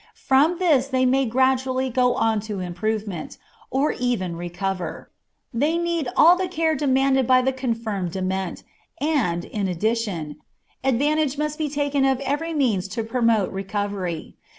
From this they may gradually go on to improvement, or even recovery. They need all the care demanded by the confirmed dement, and, in addition, advantage must be taken of every means to promote recovery.